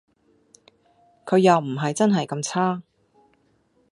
佢又唔係真係咁差